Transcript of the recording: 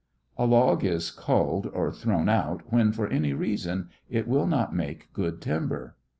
A log is culled, or thrown out, when, for any reason, it will not make good timber.